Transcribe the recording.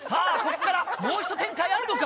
ここからもうひと展開あるのか？